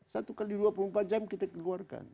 satu x dua puluh empat jam kita keluarkan